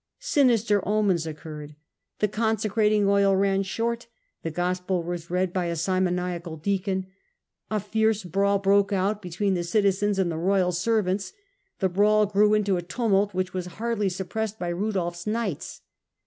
Sinister omens occurred : the consecrating oil ran short ; the gospel was read by a simoniacal deacon ; a fierce brawl broke out between the citizens and the royal servants; the brawl grew into a tumult which was hardly suppressed by Rudolfs knights.